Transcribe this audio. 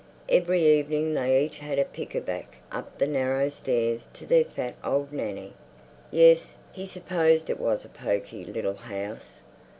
Every evening they each had a pick a back up the narrow stairs to their fat old Nanny. Yes, he supposed it was a poky little house.